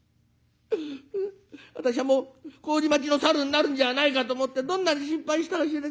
私はもう麹町のサルになるんじゃないかと思ってどんなに心配したか